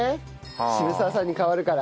渋沢さんに変わるから。